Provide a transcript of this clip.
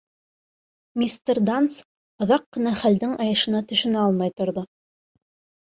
Мистер Данс оҙаҡ ҡына хәлдең айышына төшөнә алмай торҙо.